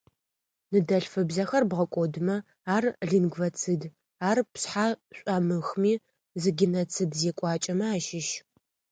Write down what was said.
Ныдэлъфыбзэхэр бгъэкӀодымэ, ар-лингвоцид, ар пшъхьа шӏуамыхми, зы геноцид зекӏуакӏэмэ ащыщ.